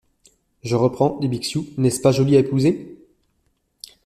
Je reprends, dit Bixiou. « N’est-ce pas joli à épouser?